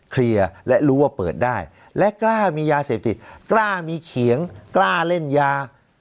และรู้ว่าเปิดได้และกล้ามียาเสพติดกล้ามีเขียงกล้าเล่นยา